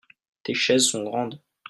tes chaises sont grandes.